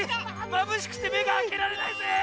まぶしくてめがあけられないぜ！